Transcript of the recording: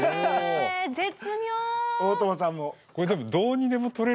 大友さんも。